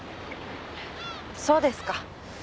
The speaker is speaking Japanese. そうですか。